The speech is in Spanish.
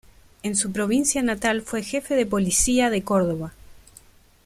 En su provincia natal fue jefe de la Policía de Córdoba.